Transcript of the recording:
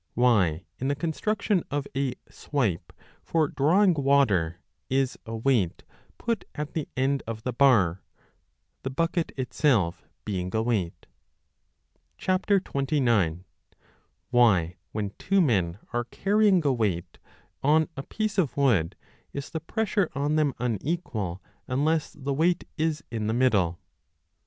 Why in the construction of a swipe for drawing water is a weight put at the end of the bar, the bucket itself being a weight ? 29. Why, when two men are carrying a weight on a piece of wood, is the pressure on them unequal unless the weight is in the middle